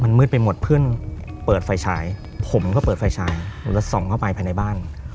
มืดไปหมดเพื่อนเปิดไฟฉายผมก็เปิดไฟฉายแล้วส่องเข้าไปภายในบ้าน